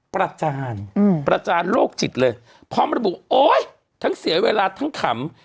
ประจานประจานโรคจิตเลยพร้อมระบุโอ๊ยทั้งเสียเวลาทั้งขำ